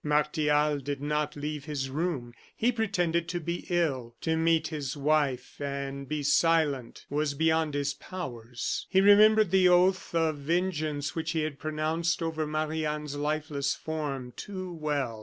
Martial did not leave his room; he pretended to be ill. To meet his wife and be silent, was beyond his powers. He remembered the oath of vengeance which he had pronounced over Marie Anne's lifeless form too well.